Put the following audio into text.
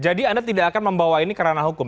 jadi anda tidak akan membawa ini karena hukum